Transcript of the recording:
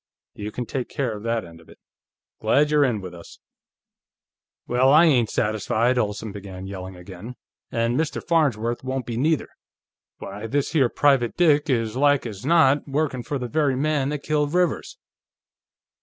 "You can take care of that end of it. Glad you're in with us." "Well, I ain't satisfied!" Olsen began yelling, again. "And Mr. Farnsworth won't be, neither. Why, this here private dick is like as not workin' for the very man that killed Rivers!"